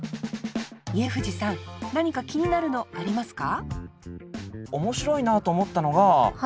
家藤さん何か気になるのありますか？